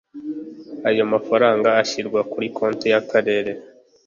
ayo mafaranga ashyirwa kuri konti y akarere